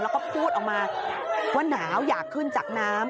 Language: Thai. แล้วก็พูดออกมาว่าหนาวอยากขึ้นจากน้ำ